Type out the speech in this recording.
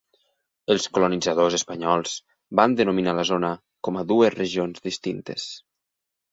Els colonitzadors espanyols van denominar la zona com a dues regions distintes.